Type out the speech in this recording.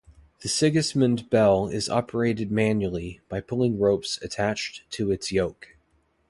The Sigismund Bell is operated manually by pulling ropes attached to its yoke.